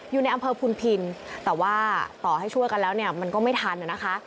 อยู่ในอำเภอพุนพินแต่ว่าต่อให้ช่วยกันแล้วเนี่ยมันก็ไม่ทันนะคะ